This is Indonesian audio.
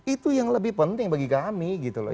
itu yang lebih penting bagi kami